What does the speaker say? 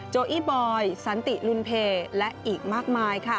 โอี้บอยสันติลุนเพและอีกมากมายค่ะ